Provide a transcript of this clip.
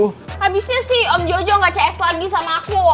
habisnya sih om jojo gak cs lagi sama aku